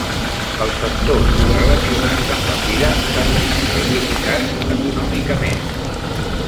Els sectors relacionats amb la fira s'han vist perjudicats econòmicament.